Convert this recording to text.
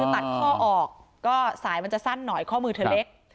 คือตัดข้อออกก็สายมันจะสั้นหน่อยข้อมือเธอเล็ก